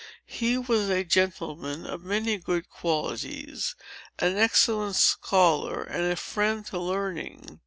He was a gentleman of many good qualities, an excellent scholar, and a friend to learning.